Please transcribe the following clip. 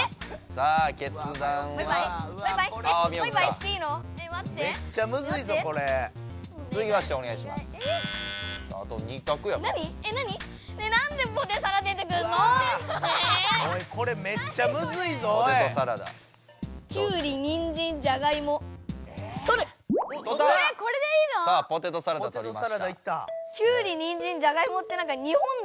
さあポテトサラダとりました。